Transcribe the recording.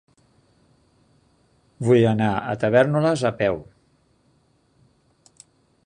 Vull anar a Tavèrnoles a peu.